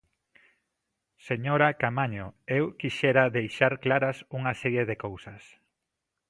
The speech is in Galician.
Señora Caamaño, eu quixera deixar claras unha serie de cousas.